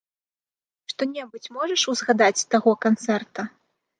Што-небудзь можаш узгадаць з таго канцэрта?